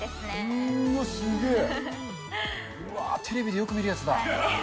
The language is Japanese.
うーわ、すげー、うわー、テレビでよく見るやつだ。